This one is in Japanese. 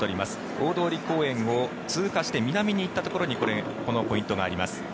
大通公園を通過して南に行ったところにこのポイントがあります。